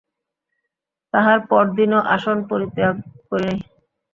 তাহার পরদিনও আসন পরিত্যাগ করি নাই।